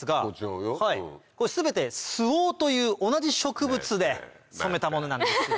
全てスオウという同じ植物で染めたものなんですよ。